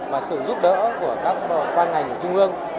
và sự giúp đỡ của các ban ngành của trung ương